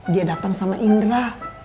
dia datang sama indra